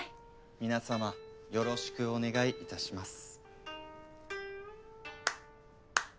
皆さまよろしくお願いいたします。